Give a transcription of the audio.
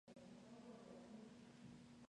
Es posible la tentativa.